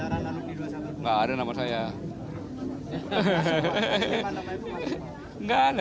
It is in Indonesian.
nama pak zulkifli hasan sama pak gatot masuk dalam hasil rakornas pa dua ratus dua belas